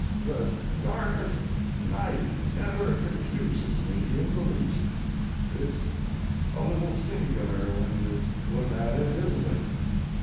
The darkest night never confuses me in the least. It s a little singular when you look at it, isn t it?